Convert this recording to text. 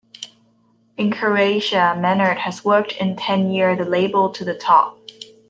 In Croatia Menart has worked in ten year the label to the top.